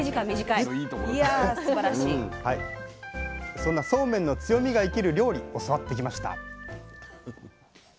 そんなそうめんの強みが生きる料理教わってきました。